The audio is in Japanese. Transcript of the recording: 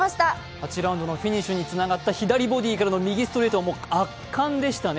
８ラウンドのフィニッシュにつながった左ボディーからの右ストレートはもう圧巻でしたね。